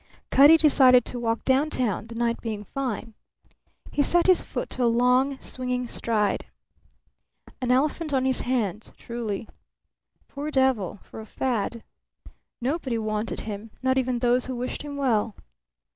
Cutty decided to walk downtown, the night being fine. He set his foot to a long, swinging stride. An elephant on his hands, truly. Poor devil, for a fad! Nobody wanted him, not even those who wished him well.